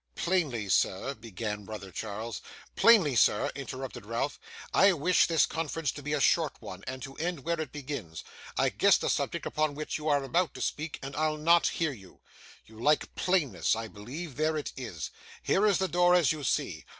'Plainly, sir ' began brother Charles. 'Plainly, sir,' interrupted Ralph, 'I wish this conference to be a short one, and to end where it begins. I guess the subject upon which you are about to speak, and I'll not hear you. You like plainness, I believe; there it is. Here is the door as you see.